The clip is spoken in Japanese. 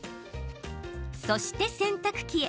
そして、洗濯機へ。